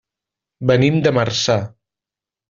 Venim de Marçà.